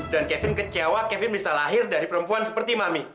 dan kevin kecewa kevin bisa lahir dari perempuan seperti mami